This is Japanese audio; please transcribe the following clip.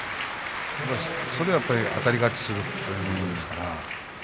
それはあたり勝ちするということですから。